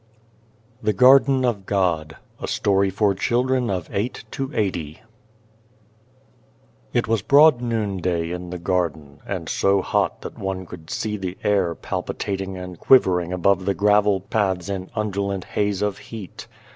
152 G/ RDEN OFGCPD A STORY FOR CHILDREN OF EIGHT TO EIGHTY IT was broad noonday in the garden, and so hot that one could see the air palpitating and quivering above the gravel paths in undulant haze of heat.